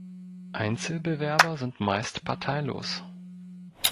Einzelbewerber sind meist parteilos.